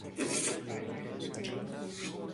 Integró el consejo de dirección de "Diario de Poesía".